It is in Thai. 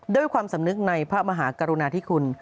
ด้วยความสำนึกในพระมหากรุณาธิคุณ